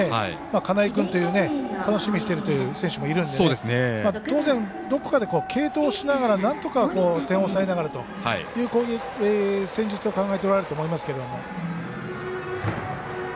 金井君という楽しみにしてるという選手もいるので当然、どこかで継投しながら、なんとか点を抑えながらという戦術を考えておられると思いますけど。